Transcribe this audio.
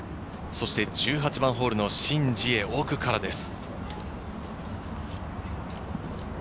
そして１８番ホールのシン・ジエ、奥からです。